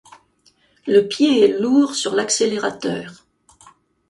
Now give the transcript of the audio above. Le pied est lourd sur l'accélérateur.